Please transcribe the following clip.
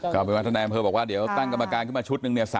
ก็เป็นวันที่แนะมพิวบอกว่าเดี๋ยวตั้งกรรมการขึ้นมาชุดนึงเนี่ย